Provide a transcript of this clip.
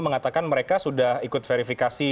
mengatakan mereka sudah ikut verifikasi